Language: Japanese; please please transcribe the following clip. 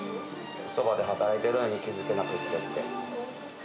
そばで働いてるのに気付けなくてって。